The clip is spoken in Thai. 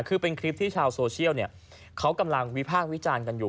คือเป็นคลิปที่ชาวโซเชียลเขากำลังวิพากษ์วิจารณ์กันอยู่